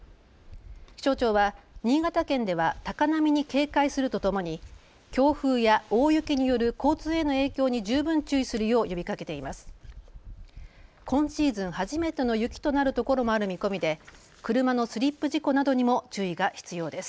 気象庁は新潟県では高波に警戒するとともに強風や大雪による交通への影響に十分注意するよう呼びかけています。